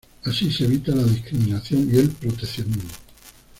Así se evita la discriminación y el proteccionismo.